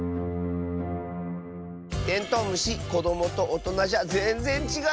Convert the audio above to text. テントウムシこどもとおとなじゃぜんぜんちがったねえ。